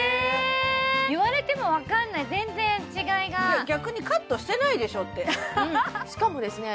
言われても分かんない全然違いが逆にカットしてないでしょってしかもですね